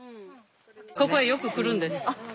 ここへよく来るんです。